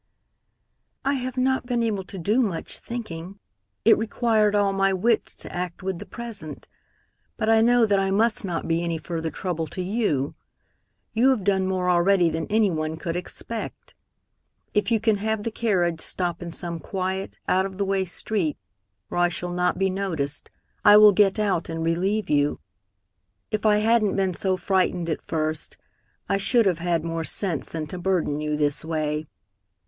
"I have not been able to do much thinking. It required all my wits to act with the present. But I know that I must not be any further trouble to you. You have done more already than any one could expect. If you can have the carriage stop in some quiet, out of the way street where I shall not be noticed, I will get out and relieve you. If I hadn't been so frightened at first, I should have had more sense than to burden you this way.